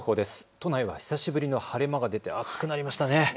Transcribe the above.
都内は久しぶりの晴れ間が出て暑くなりましたね。